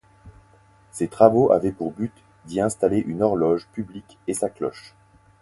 Ces travaux avaient pour but d'y installer une horloge publique et sa cloche.